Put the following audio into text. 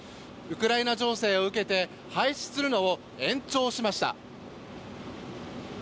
ウクライナ情勢を受けて廃止するのを延長しました。